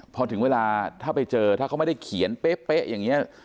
พอถึงเวลาถ้าไปเจอถ้าเขาไม่ได้เขียนเป๊ะอย่างนี้